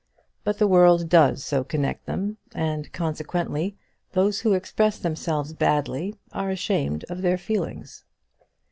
But the world does so connect them; and, consequently, those who express themselves badly are ashamed of their feelings.